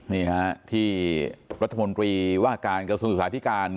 นี่ฮะที่รัฐมนตรีว่าการกระทรวงศึกษาธิการ